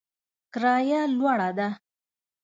کرایه لوړه ده